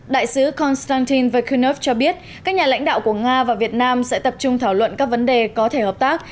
đại sứ konstantin vekunov cho biết các nhà lãnh đạo của nga và việt nam sẽ tập trung thảo luận các vấn đề có thể hợp tác